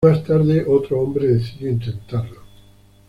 Más tarde, otro hombre decidió intentarlo.